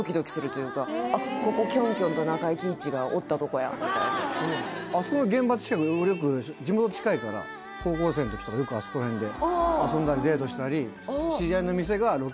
ここキョンキョンと中井貴一がおったとこやみたいなあそこの現場近く俺よく高校生の時とかよくあそこら辺で遊んだりデートしたりえっ？